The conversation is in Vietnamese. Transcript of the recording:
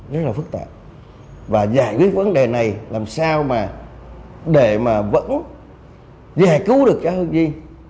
rất là phức tạp và giải quyết vấn đề này làm sao mà để mà vẫn giải cứu được cho hướng di